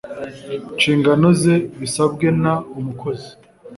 nshingano ze bisabwe n umukozi